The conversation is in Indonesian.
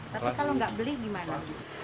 tapi kalau tidak beli bagaimana